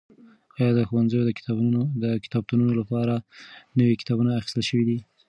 ایا د ښوونځیو د کتابتونونو لپاره نوي کتابونه اخیستل شوي دي؟